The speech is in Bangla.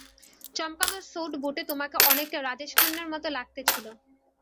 চমকানো স্যট-বুটে তোমাকে অনেকটা রাজেশ খান্নার মতো লাগতেছিলো।